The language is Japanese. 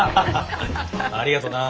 ありがとな。